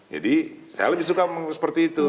jadi saya lebih suka seperti itu